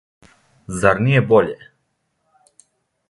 Зар није боље?